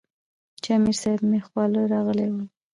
چې امير صېب مې خواله راغلے وۀ -